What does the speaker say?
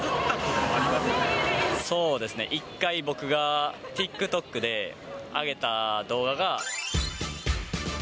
そうですね、一回、僕がＴｉｋＴｏｋで上げた動画が。